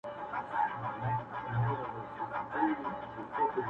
د ډول اواز ناڅاپه غلی شي